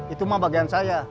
itu mah bagian saya